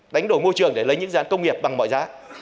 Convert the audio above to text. đánh đổi môi trường để lấy những dự án công nghiệp bằng mọi giá